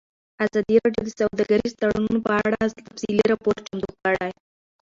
ازادي راډیو د سوداګریز تړونونه په اړه تفصیلي راپور چمتو کړی.